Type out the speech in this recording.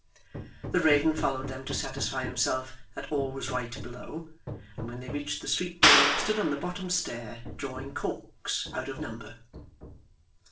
The raven followed them to satisfy himself that all was right below, and when they reached the street door, stood on the bottom stair drawing corks out of number.